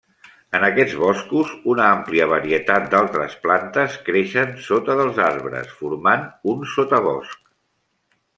En aquests boscos, una àmplia varietat d'altres plantes creixen sota dels arbres, formant un sotabosc.